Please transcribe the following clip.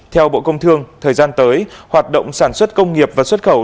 theo bộ công thương thời gian tới hoạt động sản xuất công nghiệp và xuất khẩu